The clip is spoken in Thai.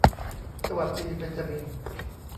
สวัสดีเบ็นจามิน